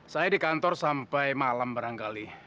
saya di kantor sampai malam barangkali